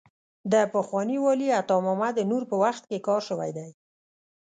د پخواني والي عطا محمد نور په وخت کې کار شوی دی.